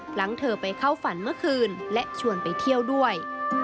หลังเธอไปเข้าฝันเมื่อคืนและชวนไปเที่ยวด้วย